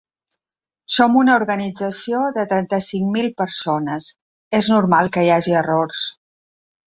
Som una organització de trenta-cinc mil persones, és normal que hi hagi errors.